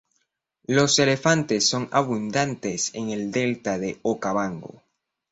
Los elefantes son abundantes en el delta del Okavango.